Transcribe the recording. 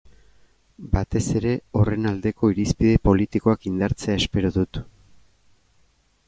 Batez ere horren aldeko irizpide politikoak indartzea espero dut.